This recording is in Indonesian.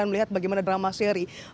lihat bagaimana drama seri